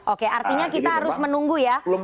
oke artinya kita harus menunggu ya